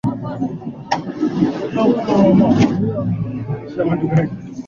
Wagonjwa walio na maumivu yasiyopunguzika wanaweza kulenga kupata